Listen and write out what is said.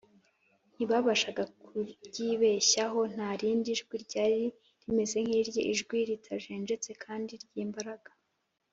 . Ntibabashaga kuryibeshyaho; nta rindi jwi ryari rimeze nk’Irye, ijwi ritajenjetse kandi ry’imbaraga, .